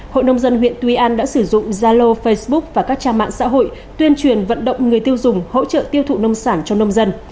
hội nông dân huyện tuy an đã sử dụng zalo facebook và các trang mạng xã hội tuyên truyền vận động người tiêu dùng hỗ trợ tiêu thụ nông sản cho nông dân